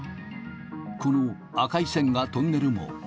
この赤い線がトンネル網。